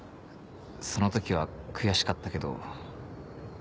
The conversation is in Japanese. その時は悔しかったけど。